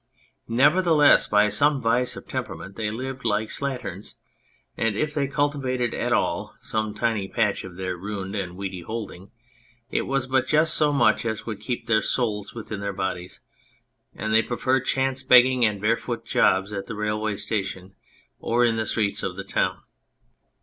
Nevertheless, by some vice of temperament, they lived like slatterns, and if they cultivated at all some tiny patch of their ruined and weedy holding, it was but just so much as would keep their souls within their bodies, and they preferred chance begging and barefoot jobs at the railway station or in the streets of the town.